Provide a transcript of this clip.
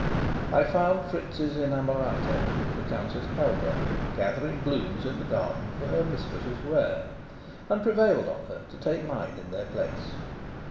I found Fritz's inamorata, the Countess Helga, gathering blooms in the garden for her mistress's wear, and prevailed on her to take mine in their place.